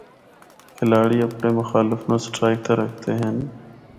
کھلاڑی اپنڑے مخالف نوں سٹرائیک تے رکھدے ہن۔